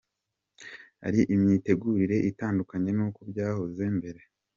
hari imitegurire itandukanye n’uko byahoze mbere.